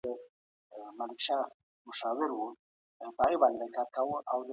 تېر کال په دې سيمه کي لوی سړک جوړ سو.